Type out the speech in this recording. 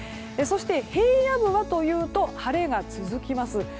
そして、平野部はというと晴れが続きます。